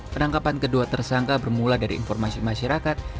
penangkapan kedua tersangka bermula dari informasi masyarakat